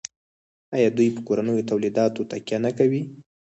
آیا دوی په کورنیو تولیداتو تکیه نه کوي؟